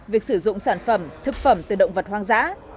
việc sử dụng sản phẩm thực phẩm từ động vật hoang dã